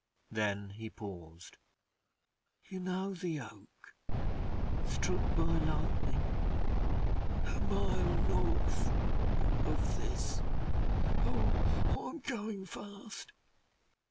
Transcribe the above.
Then he paused. "You know the oak struck by lightning a mile north of this. Oh! I'm going fast.